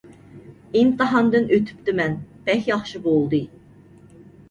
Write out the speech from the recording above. ئىمتىھاندىن ئۆتۈپتىمەن، بەك ياخشى بولدى!